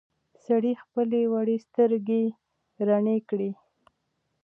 سړي خپلې وړې سترګې رڼې کړې.